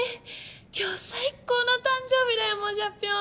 今日最高の誕生日だよモジャピョン！